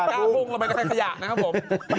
กล้าพุ่งมันเป็นใครหยะนะครับผม